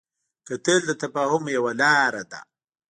کتل د تفاهم یوه لاره ده